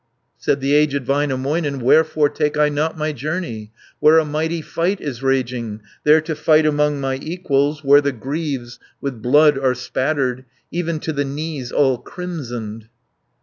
Said the aged Väinämöinen, "Wherefore take I not my journey, Where a mighty fight is raging, There to fight among my equals, Where the greaves with blood are spattered, Even to the knees all crimsoned?"